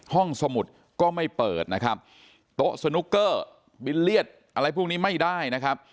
สมุดก็ไม่เปิดนะครับโต๊ะสนุกเกอร์บิลเลียสอะไรพวกนี้ไม่ได้นะครับ